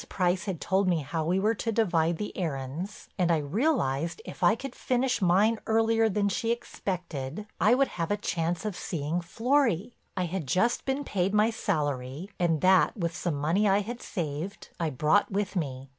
Price had told me how we were to divide the errands and I realized, if I could finish mine earlier than she expected, I would have a chance of seeing Florry. I had just been paid my salary and that, with some money I had saved, I brought with me.